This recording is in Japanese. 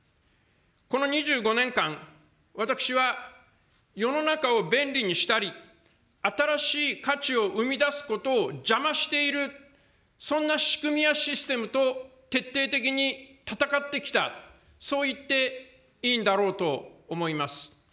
この２５年間、私は世の中を便利にしたり、新しい価値を生み出すことを邪魔している、そんな仕組みやシステムと徹底的に戦ってきた、そう言っていいんだろうと思います。